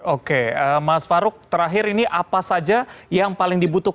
oke mas farouk terakhir ini apa saja yang paling dibutuhkan